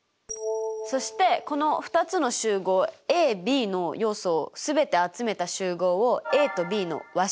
そしてこの２つの集合ＡＢの要素を全て集めた集合をＡとＢの和集合といいますよ。